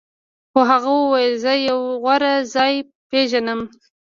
خو هغه وویل زه یو غوره ځای پیژنم